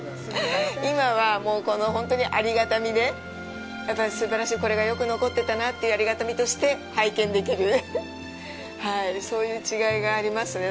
今は、もうこの、本当にありがたみで、やっぱり、すばらしい、これがよく残ってたなというありがたみとして拝見できる、そういう違いがありますね。